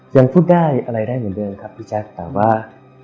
ยังพูดได้อะไรได้เหมือนเดิมครับพี่แจ๊คแต่ว่า